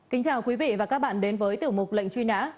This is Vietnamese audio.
kính chào quý vị và các bạn đến với tiểu mục lệnh truy nã